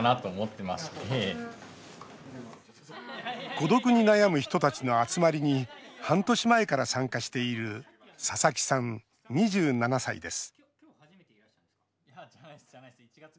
孤独に悩む人たちの集まりに半年前から参加している佐々木さん、２７歳です。